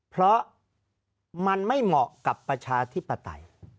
เพราะมันไม่เหมาะกับประชาธิปไตย